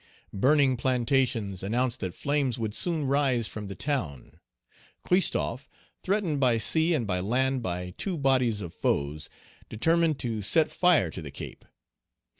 Burning plantations announced Page 165 that flames would soon rise from the town. Christophe, threatened by sea and by land by two bodies of foes, determined to set fire to the Cape.